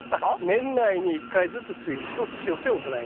年内に１回ずつ追肥と土寄せを行います。